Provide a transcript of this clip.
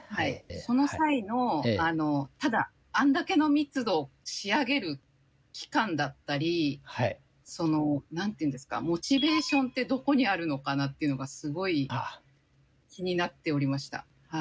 その際のただあんだけの密度を仕上げる期間だったりその何て言うんですかモチベーションってどこにあるのかなっていうのがすごい気になっておりました。